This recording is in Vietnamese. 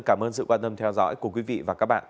cảm ơn sự quan tâm theo dõi của quý vị và các bạn